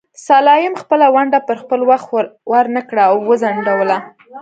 سلایم خپله ونډه پر خپل وخت ورنکړه او وځنډوله.